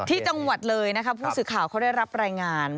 ที่จังหวัดเลยนะคะผู้สื่อข่าวเขาได้รับรายงาน